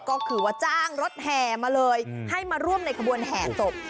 ก็คือว่าจ้างรถแห่มาเลยให้มาร่วมในขบวนแห่ศพ